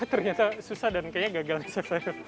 ternyata susah dan kayaknya gagal nih chef aja deh